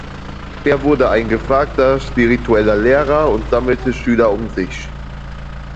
Er wurde ein gefragter spiritueller Lehrer und sammelte Schüler um sich.